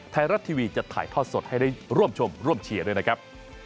ไทยรัฐทีวีจะถ่ายทอดสดให้ได้ร่วมชมร่วมเชียร์ด้วยนะครับ